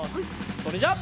それじゃあ。